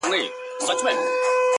اوس دي لا د حسن مرحله راغلې نه ده.